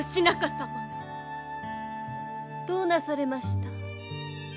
どうなされました？